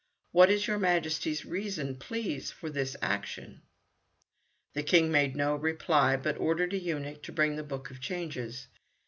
What is your Majesty's reason, please, for this action?" The King made no reply, but ordered a eunuch to bring the Book of Changes.